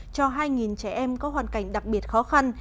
cho hai trẻ em có hoàn cảnh đặc biệt khó khăn